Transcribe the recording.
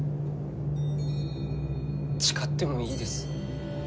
誓ってもいいです。